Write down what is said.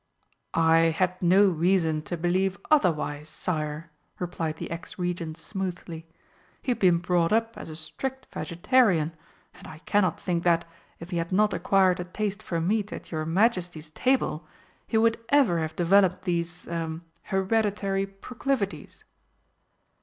"I had no reason to believe otherwise, sire," replied the ex Regent smoothly. "He had been brought up as a strict vegetarian, and I cannot think that, if he had not acquired a taste for meat at your Majesty's table, he would ever have developed these er hereditary proclivities."